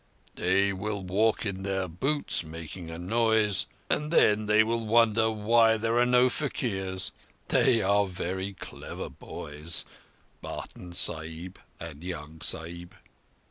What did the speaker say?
"They will walk in their boots, making a noise, and then they will wonder why there are no faquirs. They are very clever boys—Barton Sahib and Young Sahib."